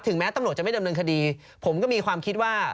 แม้ตำรวจจะไม่ดำเนินคดีผมก็มีความคิดว่า